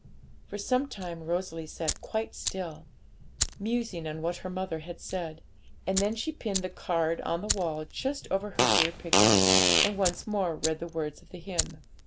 For some time Rosalie sat quite still, musing on what her mother had said, and then she pinned the card on the wall just over her dear picture, and once more read the words of the hymn.